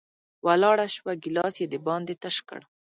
ولاړه شوه، ګېلاس یې د باندې تش کړ